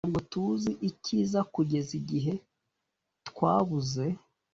ntabwo tuzi icyiza kugeza igihe twabuze.